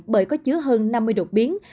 bởi có chứa hơn năm mươi đột biến